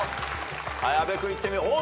阿部君いってみよう。